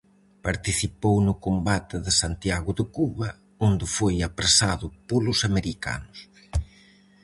Participou no combate de Santiago de Cuba, onde foi apresado polos americanos.